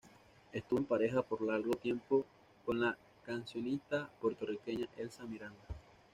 Estuvo en pareja por largo tiempo con la cancionista puertorriqueña Elsa Miranda.